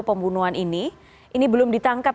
pembunuhan ini ini belum ditangkap